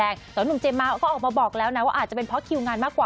แต่หนุ่มเจมมาก็ออกมาบอกแล้วนะว่าอาจจะเป็นเพราะคิวงานมากกว่า